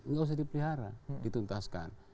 nggak usah dipelihara dituntaskan